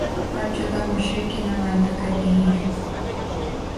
ہر جگہ مشرق کی نمائندہ کرہی ہیں